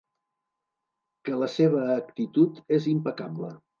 Que la seva actitud és impecable.